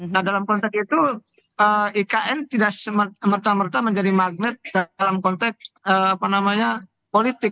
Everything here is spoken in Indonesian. nah dalam konteks itu ikn tidak merta merta menjadi magnet dalam konteks politik